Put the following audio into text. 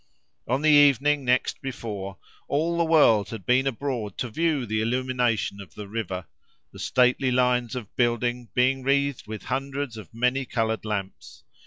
On the evening next before, all the world had been abroad to view the illumination of the river; the stately lines of building being wreathed with hundreds of many coloured lamps.